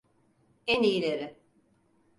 En iyileri.